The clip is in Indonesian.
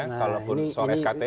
kalaupun soal skt ini